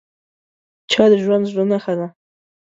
چای د ژوندي زړه نښه ده